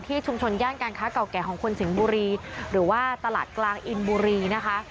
ชุมชนย่านการค้าเก่าแก่ของคนสิงห์บุรีหรือว่าตลาดกลางอินบุรีนะคะ